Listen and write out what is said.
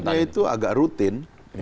suratnya itu agak rutin